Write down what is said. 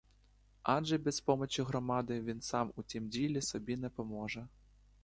Адже без помочі громади він сам у тім ділі собі не поможе!